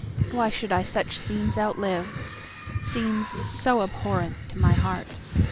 why should I such scenes outlive? Scenes so abhorrent to my heart!